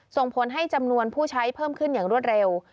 ส่งผลให้จำนวนผู้ใช้เพิ่มขึ้นอย่างรวดเร็ว